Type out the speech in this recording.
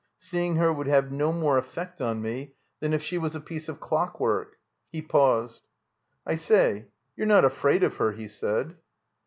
Seeing her would have no more effect on me than if she was a piece of clockwork." He paused. "I say — ^you're not afraid of her?" he said.